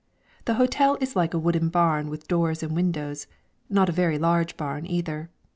The hotel is like a wooden barn with doors and windows, not a very large barn either.